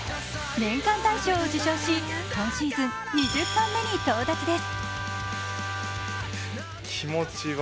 年間大賞を受賞し今シーズン２０冠目に到達です。